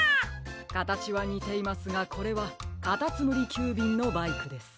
かたちはにていますがこれはかたつむりきゅうびんのバイクです。